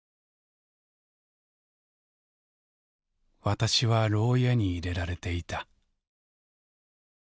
「私は牢屋に入れられていた」。